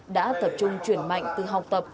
đã tập trung chuyển mạnh từ học tập